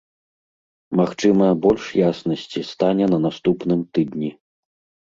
Магчыма, больш яснасці стане на наступным тыдні.